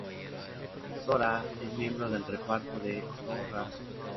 Zora es miembro del reparto de "So Random!